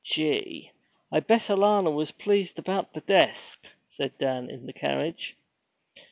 'Gee, I bet Alanna was pleased about the desk!' said Dan in the carriage.